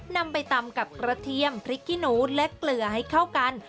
นำไปตำกับกระเทียมพริกขี้หนูและเกลือให้เข้ากัน